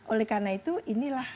oleh karena itu inilah